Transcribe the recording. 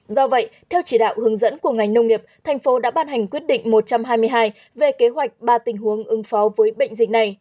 do vậy theo chỉ đạo hướng dẫn của ngành nông nghiệp thành phố đã ban hành quyết định một trăm hai mươi hai về kế hoạch ba tình huống ứng phó với bệnh dịch này